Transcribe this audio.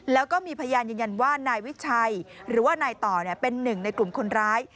แล้วก็มีพยานยืนยันว่านายวิชัยหรือว่านายต่อเป็นหนึ่งในกลุ่มคนร้าย